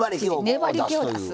粘りけを出す。